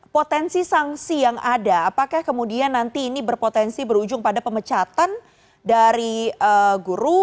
potensi sanksi yang ada apakah kemudian nanti ini berpotensi berujung pada pemecatan dari guru